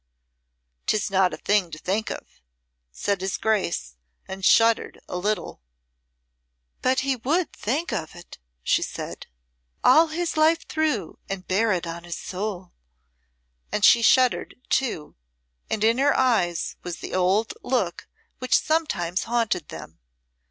"'Tis not a thing to think of," said his Grace, and shuddered a little. "But he would think of it," she said, "all his life through and bear it on his soul." And she shuddered, too, and in her eyes was the old look which sometimes haunted them.